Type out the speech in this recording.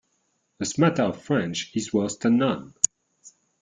A smatter of French is worse than none.